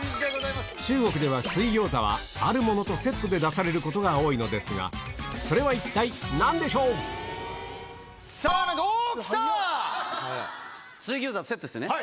中国では水餃子はあるものとセットで出されることが多いのですが、さあ、水餃子とセットですよね？